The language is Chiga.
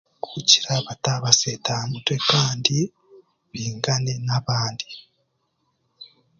Kugiira batabaseeta aha mutwe kandi beingane n'abaandi.